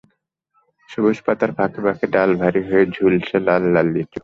সবুজ পাতার ফাঁকে ফাঁকে ডাল ভারী হয়ে ঝুলছে লাল লাল লিচু।